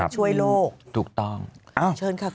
ช่วยโลก